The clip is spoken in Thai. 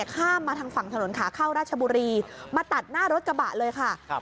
ข้ามมาทางฝั่งถนนขาเข้าราชบุรีมาตัดหน้ารถกระบะเลยค่ะครับ